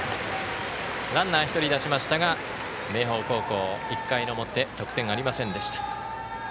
ランナー、１人出しましたが明豊高校１回の表得点がありませんでした。